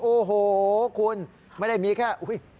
โอ้โฮคุณไม่ได้มีแค่